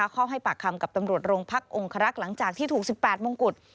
เข้าให้ปากคำกับตำรวจโรงพักองครักษ์หลังจากที่ถูก๑๘มงกุฎ